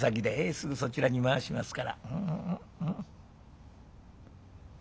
すぐそちらに回しますから」。